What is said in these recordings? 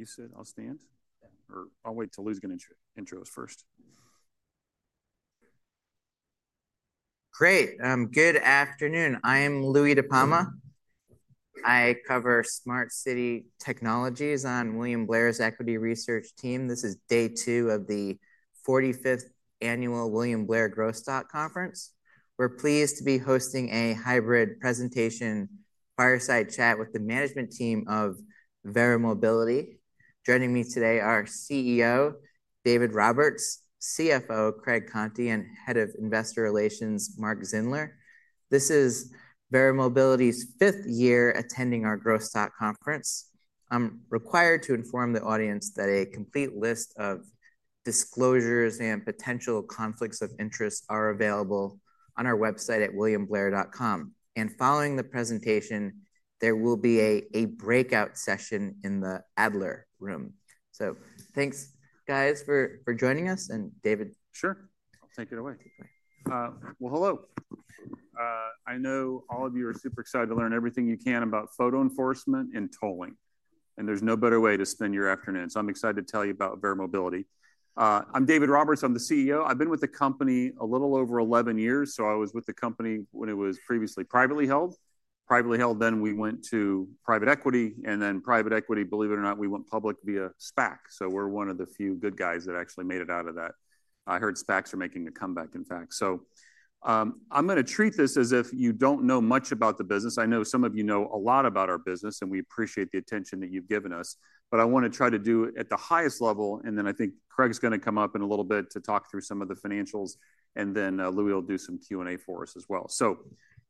You said I'll stand? Or I'll wait till Louis can introduce first. Great. Good afternoon. I am Louis De Palma. I cover smart city technologies on William Blair's equity research team. This is day two of the 45th annual William Blair Growth Stock Conference. We are pleased to be hosting a hybrid presentation fireside chat with the management team of Verra Mobility. Joining me today are CEO David Roberts, CFO Craig Conti, and Head of Investor Relations Mark Zindler. This is Verra Mobility's fifth year attending our Growth Stock Conference. I am required to inform the audience that a complete list of disclosures and potential conflicts of interest are available on our website at williamblair.com. Following the presentation, there will be a breakout session in the Adler room. Thanks, guys, for joining us. David. Sure. I'll take it away. Hello. I know all of you are super excited to learn everything you can about photo enforcement and tolling. There is no better way to spend your afternoon. I'm excited to tell you about Verra Mobility. I'm David Roberts. I'm the CEO. I've been with the company a little over 11 years. I was with the company when it was previously privately held. Privately held, then we went to private equity. And then private equity, believe it or not, we went public via SPAC. We're one of the few good guys that actually made it out of that. I heard SPACs are making a comeback, in fact. I'm going to treat this as if you don't know much about the business. I know some of you know a lot about our business, and we appreciate the attention that you've given us. I want to try to do it at the highest level. I think Craig's going to come up in a little bit to talk through some of the financials. Louis will do some Q&A for us as well.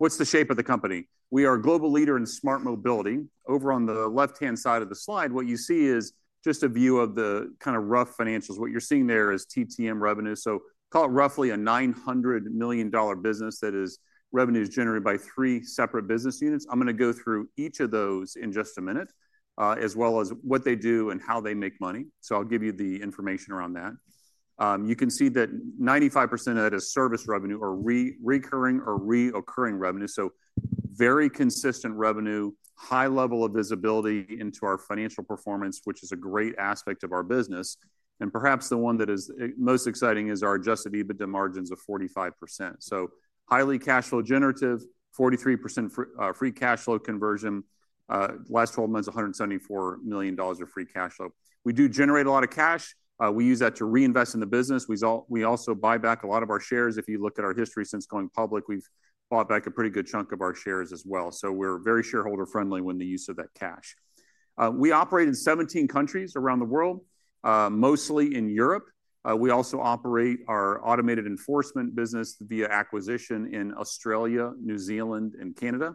What's the shape of the company? We are a global leader in smart mobility. Over on the left-hand side of the slide, what you see is just a view of the kind of rough financials. What you're seeing there is TTM revenue. Call it roughly a $900 million business that is revenues generated by three separate business units. I'm going to go through each of those in just a minute, as well as what they do and how they make money. I'll give you the information around that. You can see that 95% of that is service revenue or recurring or reoccurring revenue. Very consistent revenue, high level of visibility into our financial performance, which is a great aspect of our business. Perhaps the one that is most exciting is our adjusted EBITDA margins of 45%. Highly cash flow generative, 43% free cash flow conversion. Last 12 months, $174 million of free cash flow. We do generate a lot of cash. We use that to reinvest in the business. We also buy back a lot of our shares. If you look at our history since going public, we've bought back a pretty good chunk of our shares as well. We're very shareholder friendly when the use of that cash. We operate in 17 countries around the world, mostly in Europe. We also operate our automated enforcement business via acquisition in Australia, New Zealand, and Canada.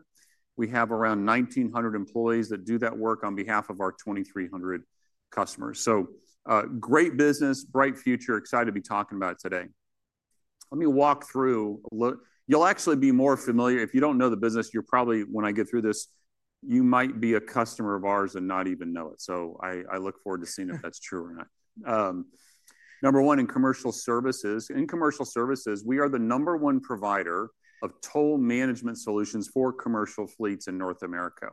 We have around 1,900 employees that do that work on behalf of our 2,300 customers. Great business, bright future, excited to be talking about it today. Let me walk through. You'll actually be more familiar. If you don't know the business, you're probably, when I get through this, you might be a customer of ours and not even know it. I look forward to seeing if that's true or not. Number one in commercial services. In commercial services, we are the number one provider of toll management solutions for commercial fleets in North America.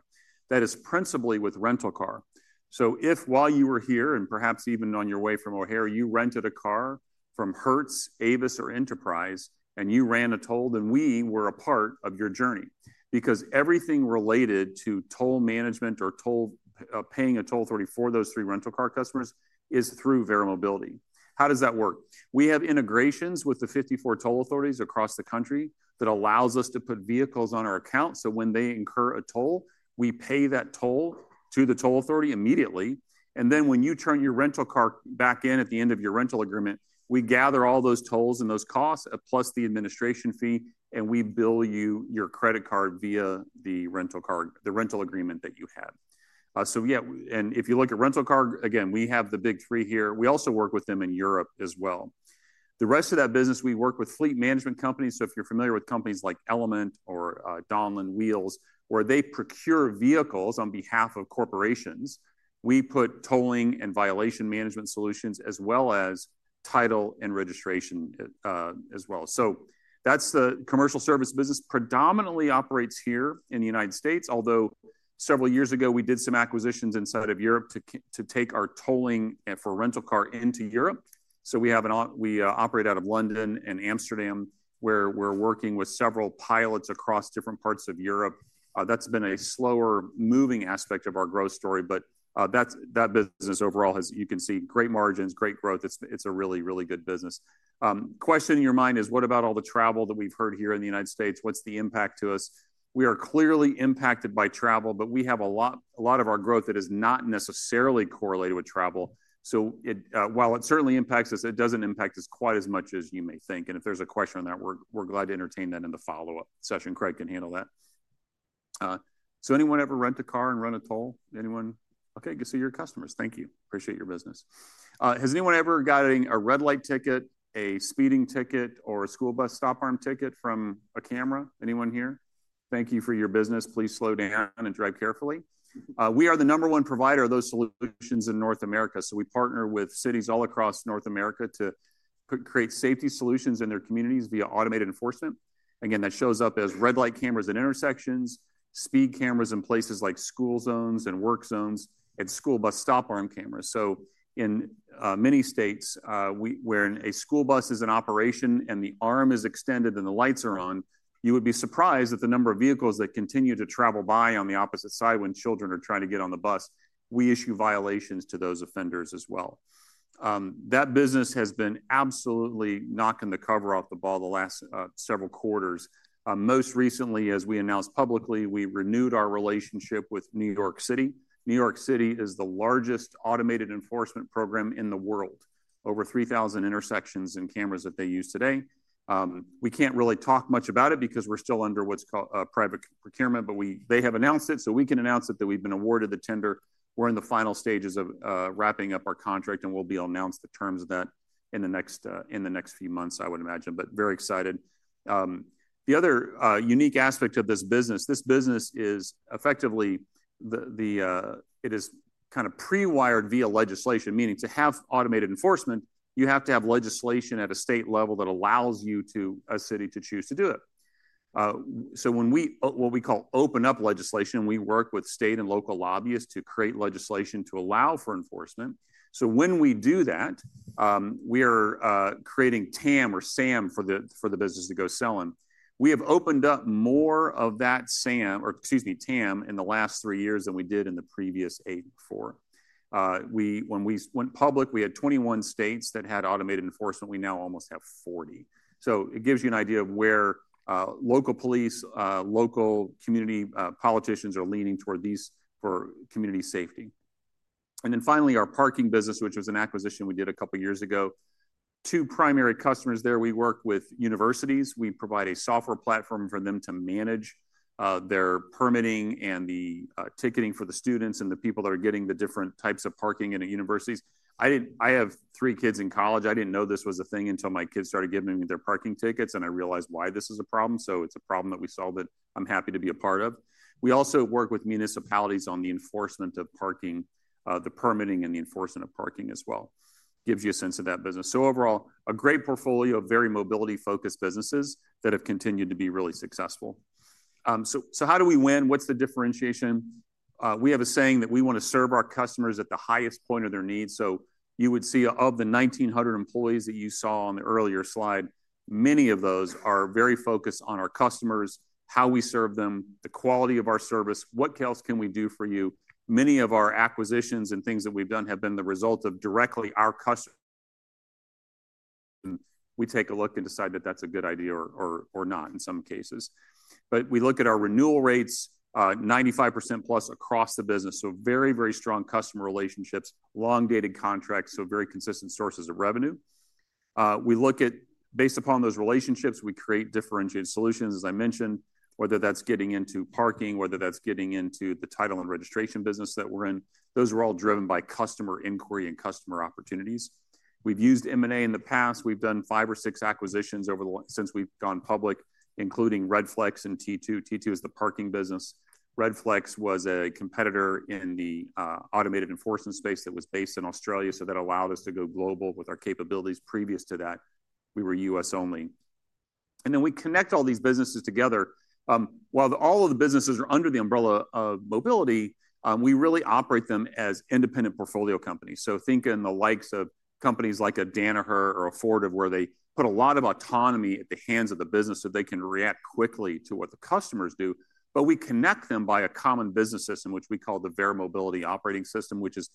That is principally with rental car. If while you were here and perhaps even on your way from O'Hare, you rented a car from Hertz, Avis, or Enterprise, and you ran a toll, then we were a part of your journey. Because everything related to toll management or paying a toll authority for those three rental car customers is through Verra Mobility. How does that work? We have integrations with the 54 toll authorities across the country that allows us to put vehicles on our account. When they incur a toll, we pay that toll to the toll authority immediately. When you turn your rental car back in at the end of your rental agreement, we gather all those tolls and those costs plus the administration fee, and we bill your credit card via the rental agreement that you have. Yeah, if you look at rental car, again, we have the big three here. We also work with them in Europe as well. The rest of that business, we work with fleet management companies. If you're familiar with companies like Element or Donlen Wheels, where they procure vehicles on behalf of corporations, we put tolling and violation management solutions as well as title and registration as well. That's the commercial service business. Predominantly operates here in the United States, although several years ago we did some acquisitions inside of Europe to take our tolling for rental car into Europe. We operate out of London and Amsterdam, where we're working with several pilots across different parts of Europe. That's been a slower moving aspect of our growth story. That business overall, you can see great margins, great growth. It's a really, really good business. Question in your mind is, what about all the travel that we've heard here in the U.S.? What's the impact to us? We are clearly impacted by travel, but we have a lot of our growth that is not necessarily correlated with travel. While it certainly impacts us, it doesn't impact us quite as much as you may think. If there's a question on that, we're glad to entertain that in the follow-up session. Craig can handle that. Anyone ever rent a car and run a toll? Anyone? Okay, good. So you're customers. Thank you. Appreciate your business. Has anyone ever gotten a red light ticket, a speeding ticket, or a school bus stop arm ticket from a camera? Anyone here? Thank you for your business. Please slow down and drive carefully. We are the number one provider of those solutions in North America. We partner with cities all across North America to create safety solutions in their communities via automated enforcement. Again, that shows up as red light cameras at intersections, speed cameras in places like school zones and work zones, and school bus stop arm cameras. In many states where a school bus is in operation and the arm is extended and the lights are on, you would be surprised at the number of vehicles that continue to travel by on the opposite side when children are trying to get on the bus. We issue violations to those offenders as well. That business has been absolutely knocking the cover off the ball the last several quarters. Most recently, as we announced publicly, we renewed our relationship with New York City. New York City is the largest automated enforcement program in the world, over 3,000 intersections and cameras that they use today. We can't really talk much about it because we're still under what's called private procurement, but they have announced it. So we can announce it that we've been awarded the tender. We're in the final stages of wrapping up our contract, and we'll be able to announce the terms of that in the next few months, I would imagine. Very excited. The other unique aspect of this business, this business is effectively it is kind of pre-wired via legislation, meaning to have automated enforcement, you have to have legislation at a state level that allows a city to choose to do it. When we what we call open up legislation, we work with state and local lobbyists to create legislation to allow for enforcement. When we do that, we are creating TAM or SAM for the business to go selling. We have opened up more of that SAM, or excuse me, TAM in the last three years than we did in the previous eight or four. When we went public, we had 21 states that had automated enforcement. We now almost have 40. It gives you an idea of where local police, local community politicians are leaning toward these for community safety. Finally, our parking business, which was an acquisition we did a couple of years ago. Two primary customers there, we work with universities. We provide a software platform for them to manage their permitting and the ticketing for the students and the people that are getting the different types of parking at universities. I have three kids in college. I didn't know this was a thing until my kids started giving me their parking tickets, and I realized why this is a problem. It's a problem that we solved that I'm happy to be a part of. We also work with municipalities on the enforcement of parking, the permitting, and the enforcement of parking as well. It gives you a sense of that business. Overall, a great portfolio of very mobility-focused businesses that have continued to be really successful. How do we win? What's the differentiation? We have a saying that we want to serve our customers at the highest point of their needs. You would see of the 1,900 employees that you saw on the earlier slide, many of those are very focused on our customers, how we serve them, the quality of our service, what else can we do for you. Many of our acquisitions and things that we've done have been the result of directly our customers. We take a look and decide that that's a good idea or not in some cases. We look at our renewal rates, 95% plus across the business. Very, very strong customer relationships, long-dated contracts, very consistent sources of revenue. We look at, based upon those relationships, we create differentiated solutions, as I mentioned, whether that's getting into parking, whether that's getting into the title and registration business that we're in. Those are all driven by customer inquiry and customer opportunities. We've used M&A in the past. We've done five or six acquisitions since we've gone public, including Redflex and T2. T2 is the parking business. Redflex was a competitor in the automated enforcement space that was based in Australia. That allowed us to go global with our capabilities. Previous to that, we were U.S. only. We connect all these businesses together. While all of the businesses are under the umbrella of mobility, we really operate them as independent portfolio companies. Think in the likes of companies like a Danaher or a Ford, where they put a lot of autonomy at the hands of the business so they can react quickly to what the customers do. We connect them by a common business system, which we call the Verra Mobility Operating System, which is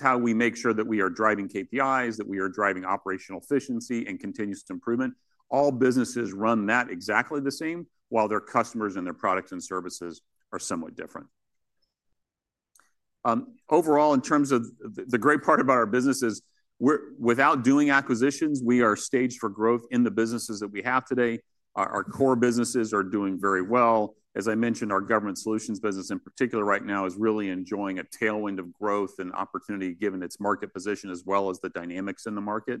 how we make sure that we are driving KPIs, that we are driving operational efficiency and continuous improvement. All businesses run that exactly the same while their customers and their products and services are somewhat different. Overall, in terms of the great part about our businesses, without doing acquisitions, we are staged for growth in the businesses that we have today. Our core businesses are doing very well. As I mentioned, our government solutions business in particular right now is really enjoying a tailwind of growth and opportunity given its market position as well as the dynamics in the market.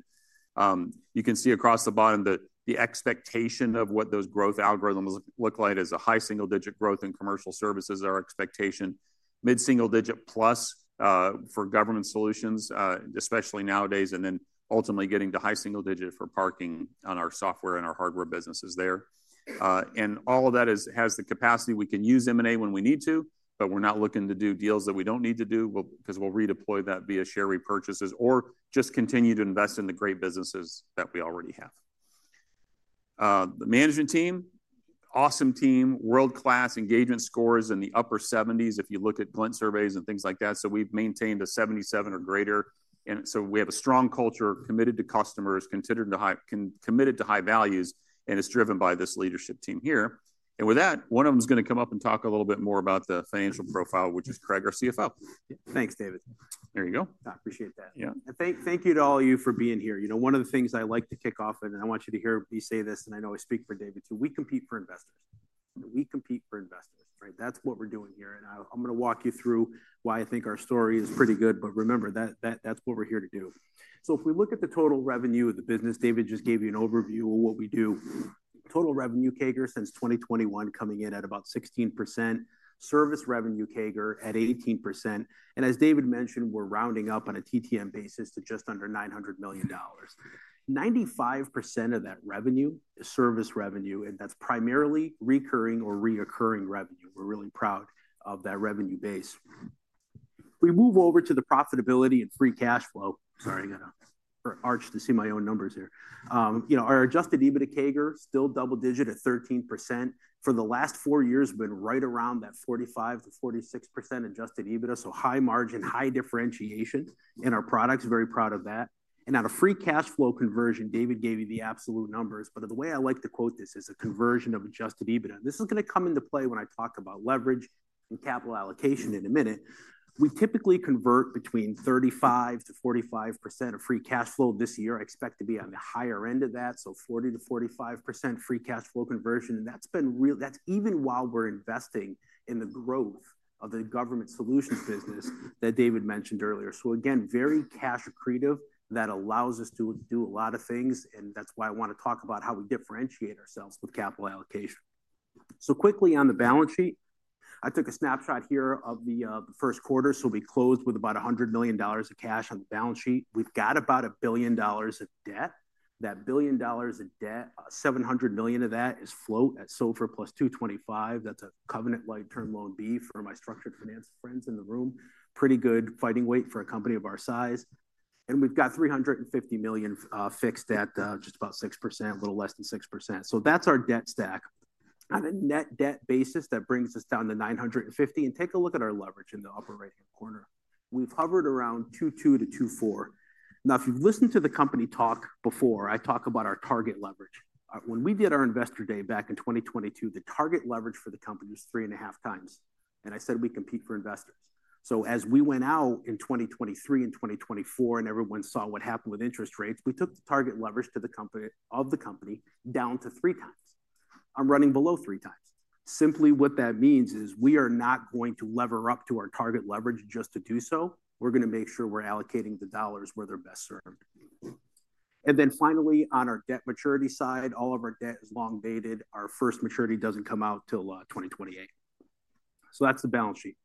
You can see across the bottom that the expectation of what those growth algorithms look like is a high single-digit growth in commercial services, our expectation, mid-single-digit plus for government solutions, especially nowadays, and then ultimately getting to high single-digit for parking on our software and our hardware businesses there. All of that has the capacity. We can use M&A when we need to, but we're not looking to do deals that we don't need to do because we'll redeploy that via share repurchases or just continue to invest in the great businesses that we already have. The management team, awesome team, world-class engagement scores in the upper 70s if you look at Glint surveys and things like that. We have maintained a 77 or greater. We have a strong culture, committed to customers, committed to high values, and it's driven by this leadership team here. With that, one of them is going to come up and talk a little bit more about the financial profile, which is Craig, our CFO. Thanks, David. There you go. I appreciate that. Thank you to all of you for being here. One of the things I like to kick off, and I want you to hear me say this, and I know I speak for David too, we compete for investors. We compete for investors. That is what we are doing here. I am going to walk you through why I think our story is pretty good. Remember, that is what we are here to do. If we look at the total revenue of the business, David just gave you an overview of what we do. Total revenue CAGR since 2021 coming in at about 16%, service revenue CAGR at 18%. As David mentioned, we are rounding up on a TTM basis to just under $900 million. 95% of that revenue is service revenue, and that is primarily recurring or reoccurring revenue. We are really proud of that revenue base. We move over to the profitability and free cash flow. Sorry, I'm going to arch to see my own numbers here. Our adjusted EBITDA CAGR still double-digit at 13%. For the last four years, we've been right around that 45%-46% adjusted EBITDA. High margin, high differentiation in our products. Very proud of that. On a free cash flow conversion, David gave you the absolute numbers. The way I like to quote this is a conversion of adjusted EBITDA. This is going to come into play when I talk about leverage and capital allocation in a minute. We typically convert between 35%-45% of free cash flow this year. I expect to be on the higher end of that. 40%-45% free cash flow conversion. That is even while we're investing in the growth of the government solutions business that David mentioned earlier. Again, very cash accretive that allows us to do a lot of things. That is why I want to talk about how we differentiate ourselves with capital allocation. Quickly on the balance sheet, I took a snapshot here of the first quarter. We closed with about $100 million of cash on the balance sheet. We have about $1 billion of debt. That $1 billion of debt, $700 million of that is float at SOFR+ 225. That is a Covenant Light Term Loan B for my structured finance friends in the room. Pretty good fighting weight for a company of our size. We have $350 million fixed at just about 6%, a little less than 6%. That is our debt stack. On a net debt basis, that brings us down to $950 million. Take a look at our leverage in the upper right-hand corner. We've hovered around 22-24. Now, if you've listened to the company talk before, I talk about our target leverage. When we did our investor day back in 2022, the target leverage for the company was three and a half times. And I said we compete for investors. As we went out in 2023 and 2024 and everyone saw what happened with interest rates, we took the target leverage of the company down to 3x. I'm running below 3x. Simply what that means is we are not going to lever up to our target leverage just to do so. We're going to make sure we're allocating the dollars where they're best served. Finally, on our debt maturity side, all of our debt is long-dated. Our first maturity does not come out till 2028. That's the balance sheet.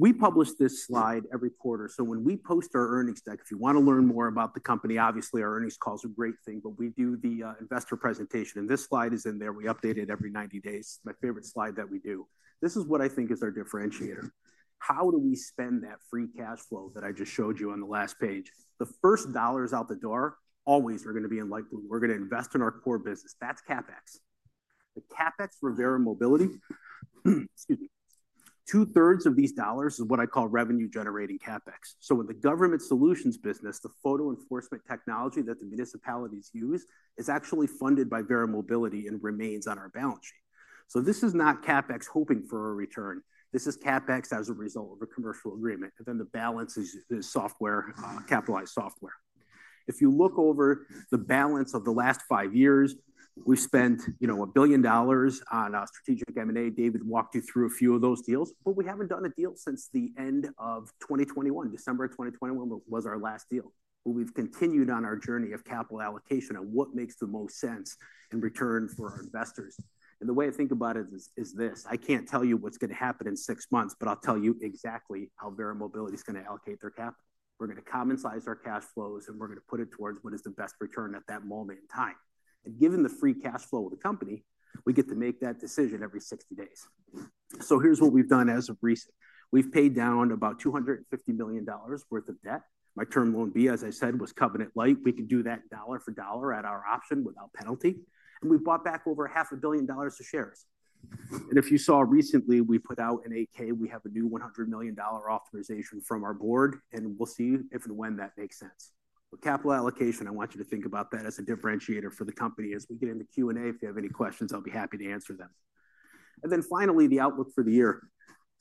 We publish this slide every quarter. When we post our earnings deck, if you want to learn more about the company, obviously our earnings calls are a great thing, but we do the investor presentation. This slide is in there. We update it every 90 days. It's my favorite slide that we do. This is what I think is our differentiator. How do we spend that free cash flow that I just showed you on the last page? The first dollars out the door, always, are going to be in light blue. We're going to invest in our core business. That's CapEx. The CapEx for Verra Mobility, excuse me, two-thirds of these dollars is what I call revenue-generating CapEx. With the government solutions business, the photo enforcement technology that the municipalities use is actually funded by Verra Mobility and remains on our balance sheet. This is not CapEx hoping for a return. This is CapEx as a result of a commercial agreement. The balance is software, capitalized software. If you look over the balance of the last five years, we spent $1 billion on our strategic M&A. David walked you through a few of those deals, but we have not done a deal since the end of 2021. December 2021 was our last deal. We have continued on our journey of capital allocation and what makes the most sense in return for our investors. The way I think about it is this. I cannot tell you what is going to happen in six months, but I will tell you exactly how Verra Mobility is going to allocate their capital. We are going to common-size our cash flows, and we are going to put it towards what is the best return at that moment in time. Given the free cash flow of the company, we get to make that decision every 60 days. Here's what we've done as of recent. We've paid down about $250 million worth of debt. My term loan B, as I said, was Covenant Light. We could do that dollar for dollar at our option without penalty. We've bought back over $500 million of shares. If you saw recently, we put out an 8-K. We have a new $100 million authorization from our board, and we'll see if and when that makes sense. With capital allocation, I want you to think about that as a differentiator for the company. As we get into Q&A, if you have any questions, I'll be happy to answer them. Finally, the outlook for the year.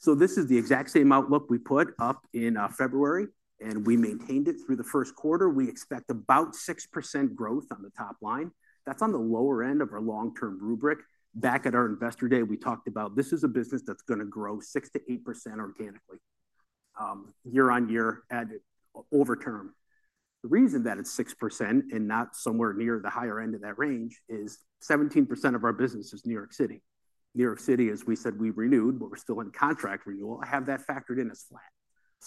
This is the exact same outlook we put up in February, and we maintained it through the first quarter. We expect about 6% growth on the top line. That's on the lower end of our long-term rubric. Back at our investor day, we talked about this is a business that's going to grow 6%-8% organically year-on-year over term. The reason that it's 6% and not somewhere near the higher end of that range is 17% of our business is New York City. New York City, as we said, we renewed, but we're still in contract renewal. I have that factored in as flat.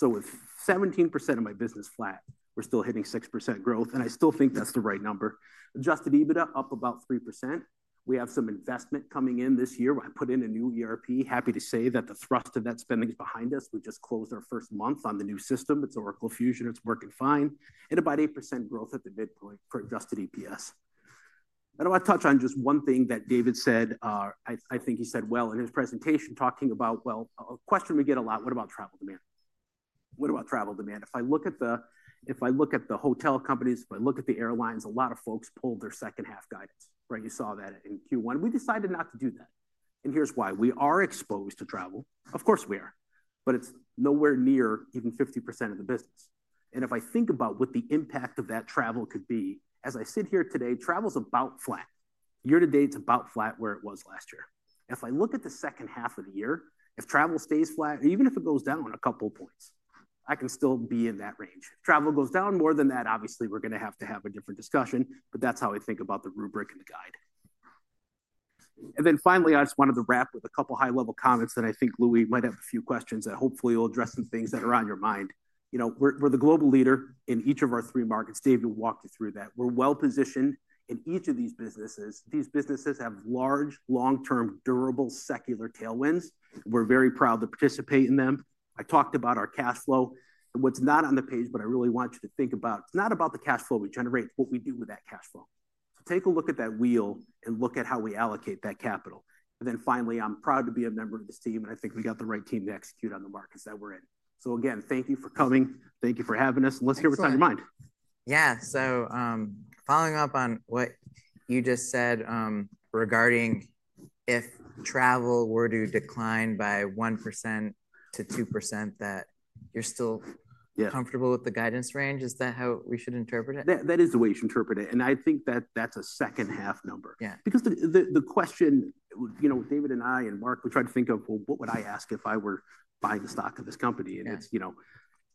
With 17% of my business flat, we're still hitting 6% growth, and I still think that's the right number. Adjusted EBITDA up about 3%. We have some investment coming in this year. I put in a new ERP. Happy to say that the thrust of that spending is behind us. We just closed our first month on the new system. It's Oracle Fusion. It's working fine. And about 8% growth at the midpoint for adjusted EPS. I do want to touch on just one thing that David said. I think he said it well in his presentation talking about, well, a question we get a lot. What about travel demand? What about travel demand? If I look at the hotel companies, if I look at the airlines, a lot of folks pulled their second-half guidance. You saw that in Q1. We decided not to do that. Here's why. We are exposed to travel. Of course, we are. But it's nowhere near even 50% of the business. If I think about what the impact of that travel could be, as I sit here today, travel's about flat. Year to date, it's about flat where it was last year. If I look at the second half of the year, if travel stays flat, even if it goes down a couple of points, I can still be in that range. If travel goes down more than that, obviously, we're going to have to have a different discussion. That's how I think about the rubric and the guide. Finally, I just wanted to wrap with a couple of high-level comments that I think Louis might have a few questions that hopefully will address some things that are on your mind. We're the global leader in each of our three markets. David walked you through that. We're well-positioned in each of these businesses. These businesses have large, long-term, durable, secular tailwinds. We're very proud to participate in them. I talked about our cash flow. What's not on the page, but I really want you to think about, it's not about the cash flow we generate. It's what we do with that cash flow. Take a look at that wheel and look at how we allocate that capital. Finally, I'm proud to be a member of this team, and I think we got the right team to execute on the markets that we're in. Again, thank you for coming. Thank you for having us. Let's hear what's on your mind. Yeah. So following up on what you just said regarding if travel were to decline by 1%-2%, that you're still comfortable with the guidance range. Is that how we should interpret it? That is the way you should interpret it. I think that that's a second-half number. Because the question, David and I and Mark, we tried to think of, well, what would I ask if I were buying the stock of this company?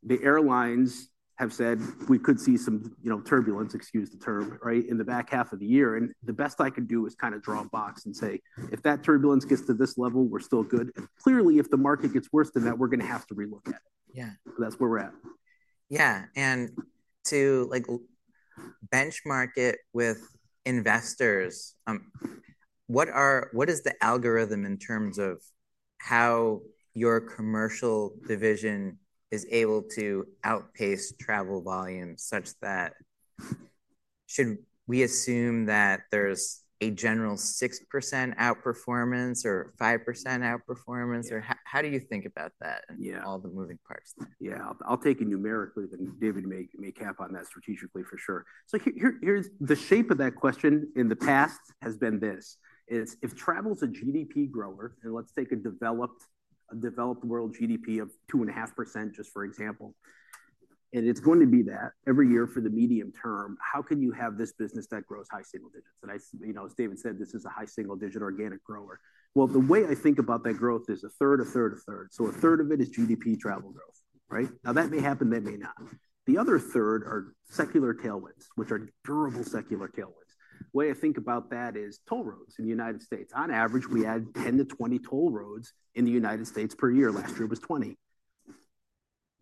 The airlines have said we could see some turbulence, excuse the term, in the back half of the year. The best I could do is kind of draw a box and say, if that turbulence gets to this level, we're still good. Clearly, if the market gets worse than that, we're going to have to relook at it. That's where we're at. Yeah. To benchmark it with investors, what is the algorithm in terms of how your commercial division is able to outpace travel volume such that should we assume that there's a general 6% outperformance or 5% outperformance? How do you think about that and all the moving parts? Yeah. I'll take it numerically, then David may cap on that strategically, for sure. The shape of that question in the past has been this. If travel's a GDP grower, and let's take a developed world GDP of 2.5%, just for example, and it's going to be that every year for the medium term, how can you have this business that grows high single digits? As David said, this is a high single-digit organic grower. The way I think about that growth is a third, a third, a third. A third of it is GDP travel growth. Now, that may happen. That may not. The other third are secular tailwinds, which are durable secular tailwinds. The way I think about that is toll roads in the United States. On average, we add 10-20 toll roads in the United States per year. Last year it was 20.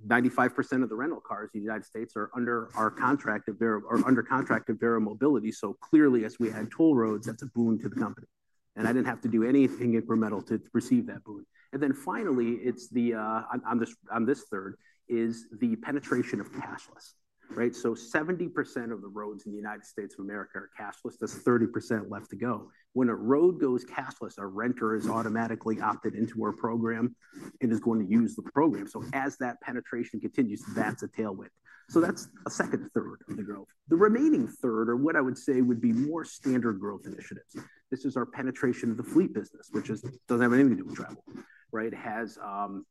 95% of the rental cars in the U.S. are under contract of Verra Mobility. Clearly, as we add toll roads, that's a boon to the company. I did not have to do anything incremental to receive that boon. Finally, on this third is the penetration of cashless. 70% of the roads in the United States of America are cashless. That's 30% left to go. When a road goes cashless, our renter has automatically opted into our program and is going to use the program. As that penetration continues, that's a tailwind. That's a second third of the growth. The remaining third, or what I would say would be more standard growth initiatives. This is our penetration of the fleet business, which does not have anything to do with travel. It has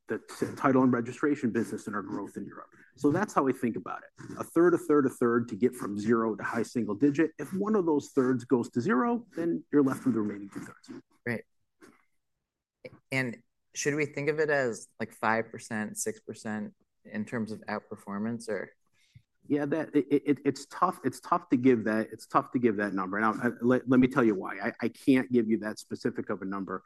the title and registration business and our growth in Europe. That is how I think about it. A third, a third, a third to get from zero to high single digit. If one of those thirds goes to zero, then you are left with the remaining 2/3. Great. Should we think of it as 5%-6% in terms of outperformance? Yeah. It's tough to give that. It's tough to give that number. Now, let me tell you why. I can't give you that specific of a number.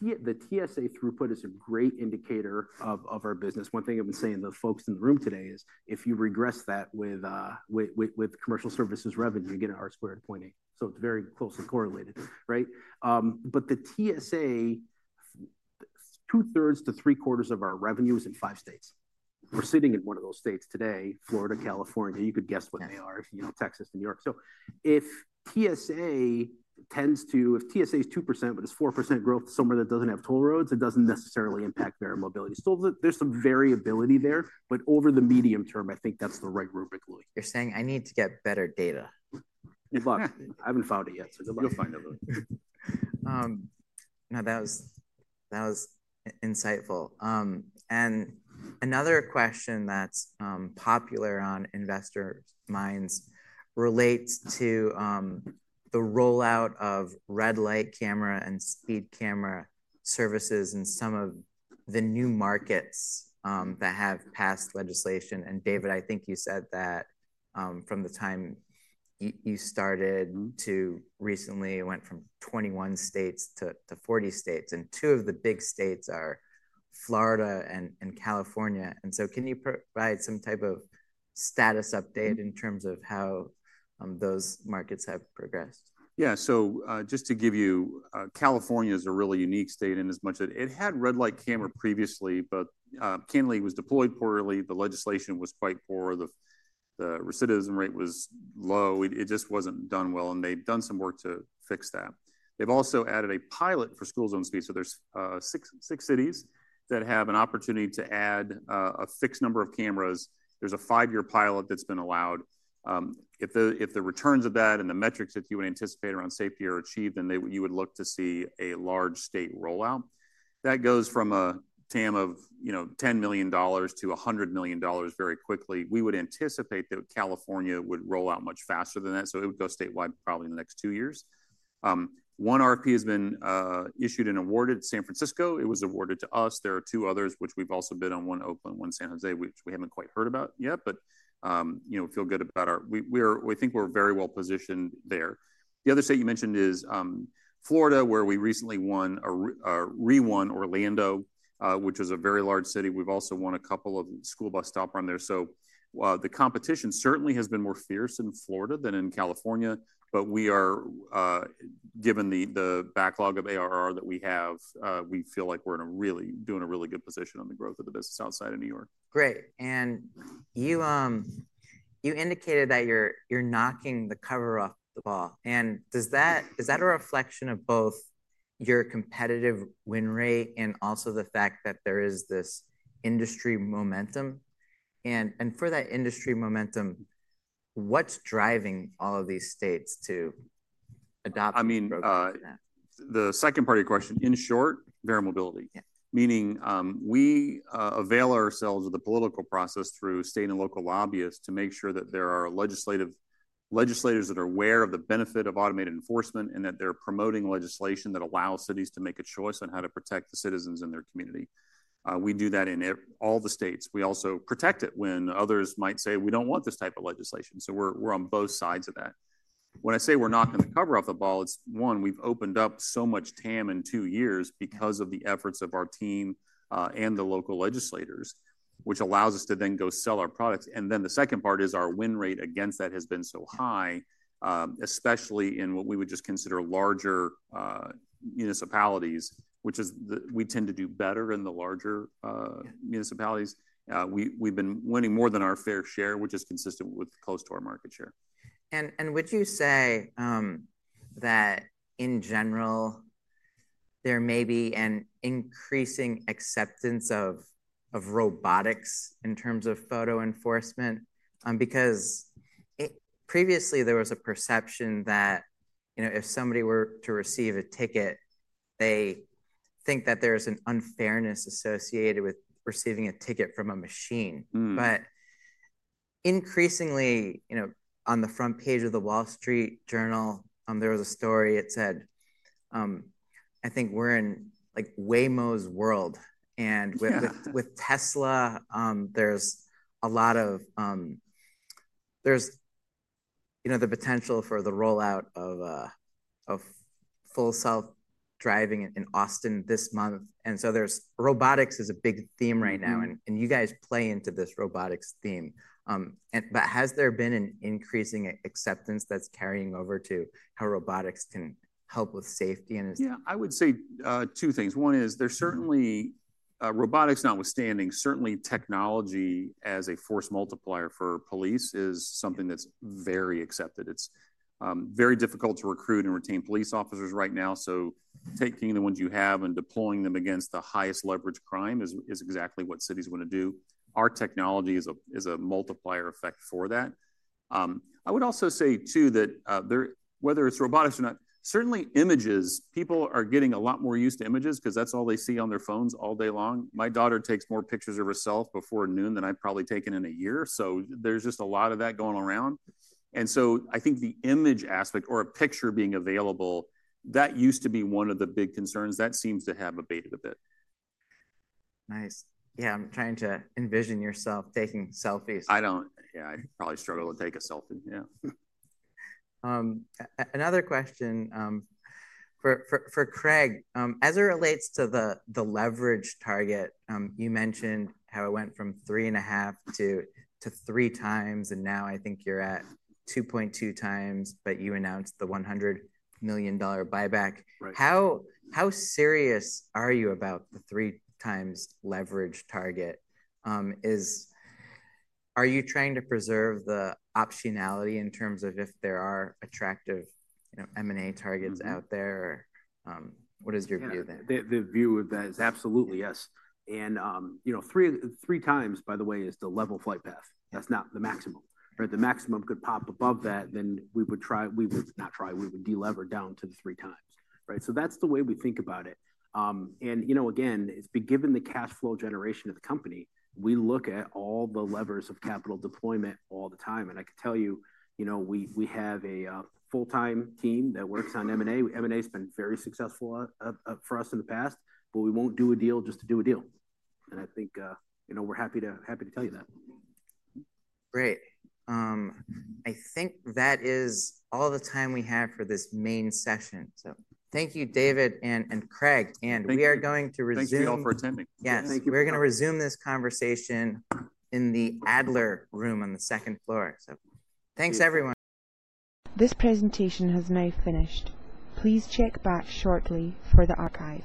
The TSA throughput is a great indicator of our business. One thing I've been saying to the folks in the room today is if you regress that with commercial services revenue, you get an R-squared 0.8. So it's very closely correlated. The TSA, 2/3 to 3/4 of our revenue is in five states. We're sitting in one of those states today, Florida, California. You could guess what they are, Texas, New York. If TSA is 2%, but it's 4% growth somewhere that doesn't have toll roads, it doesn't necessarily impact Verra Mobility. Still, there's some variability there. Over the medium term, I think that's the right rubric, Louis. You're saying, "I need to get better data. Good luck. I haven't found it yet. So good luck. You'll find it, Louis. Now, that was insightful. Another question that's popular on investor minds relates to the rollout of red light camera and speed camera services and some of the new markets that have passed legislation. David, I think you said that from the time you started to recently went from 21 states to 40 states. Two of the big states are Florida and California. Can you provide some type of status update in terms of how those markets have progressed? Yeah. Just to give you, California is a really unique state in as much as it had red light cameras previously, but it was deployed poorly. The legislation was quite poor. The recidivism rate was low. It just was not done well. They have done some work to fix that. They have also added a pilot for school zone speed. There are six cities that have an opportunity to add a fixed number of cameras. There is a five-year pilot that has been allowed. If the returns of that and the metrics that you would anticipate around safety are achieved, then you would look to see a large state rollout. That goes from a TAM of $10 million to $100 million very quickly. We would anticipate that California would roll out much faster than that. It would go statewide probably in the next two years. One RFP has been issued and awarded San Francisco. It was awarded to us. There are two others, which we've also bid on, one Oakland, one San Jose, which we haven't quite heard about yet. We feel good about our, we think we're very well positioned there. The other state you mentioned is Florida, where we recently re-won Orlando, which is a very large city. We've also won a couple of school bus stop arm there. The competition certainly has been more fierce in Florida than in California. Given the backlog of ARR that we have, we feel like we're in a really good position on the growth of the business outside of New York. Great. You indicated that you're knocking the cover off the ball. Is that a reflection of both your competitive win rate and also the fact that there is this industry momentum? For that industry momentum, what's driving all of these states to adopt? I mean, the second part of your question, in short, Verra Mobility. Meaning we avail ourselves of the political process through state and local lobbyists to make sure that there are legislators that are aware of the benefit of automated enforcement and that they're promoting legislation that allows cities to make a choice on how to protect the citizens in their community. We do that in all the states. We also protect it when others might say, "We don't want this type of legislation." We are on both sides of that. When I say we're knocking the cover off the ball, it's, one, we've opened up so much TAM in two years because of the efforts of our team and the local legislators, which allows us to then go sell our products. The second part is our win rate against that has been so high, especially in what we would just consider larger municipalities, which is we tend to do better in the larger municipalities. We have been winning more than our fair share, which is consistent with close to our market share. Would you say that in general, there may be an increasing acceptance of robotics in terms of photo enforcement? Because previously, there was a perception that if somebody were to receive a ticket, they think that there is an unfairness associated with receiving a ticket from a machine. Increasingly, on the front page of the Wall Street Journal, there was a story. It said, "I think we're in Waymo's world." With Tesla, there's the potential for the rollout of full self-driving in Austin this month. Robotics is a big theme right now. You guys play into this robotics theme. Has there been an increasing acceptance that's carrying over to how robotics can help with safety? Yeah. I would say two things. One is there's certainly, robotics notwithstanding, certainly technology as a force multiplier for police is something that's very accepted. It's very difficult to recruit and retain police officers right now. Taking the ones you have and deploying them against the highest leverage crime is exactly what cities want to do. Our technology is a multiplier effect for that. I would also say, too, that whether it's robotics or not, certainly images. People are getting a lot more used to images because that's all they see on their phones all day long. My daughter takes more pictures of herself before noon than I've probably taken in a year. There's just a lot of that going around. I think the image aspect or a picture being available, that used to be one of the big concerns. That seems to have abated a bit. Nice. Yeah. I'm trying to envision yourself taking selfies. I don't. Yeah. I probably struggle to take a selfie. Yeah. Another question for Craig. As it relates to the leverage target, you mentioned how it went from three and a half to three times. And now I think you're at 2.2x, but you announced the $100 million buyback. How serious are you about the three-times leverage target? Are you trying to preserve the optionality in terms of if there are attractive M&A targets out there? Or what is your view there? The view of that is absolutely yes. Three times, by the way, is the level flight path. That is not the maximum. The maximum could pop above that, then we would try—we would not try. We would delever down to the 3x. That is the way we think about it. Again, given the cash flow generation of the company, we look at all the levers of capital deployment all the time. I can tell you, we have a full-time team that works on M&A. M&A has been very successful for us in the past, but we will not do a deal just to do a deal. I think we are happy to tell you that. Great. I think that is all the time we have for this main session. Thank you, David and Craig. We are going to resume. Thank you all for attending. Yes. We're going to resume this conversation in the Adler room on the second floor. Thanks, everyone. This presentation has now finished. Please check back shortly for the archive.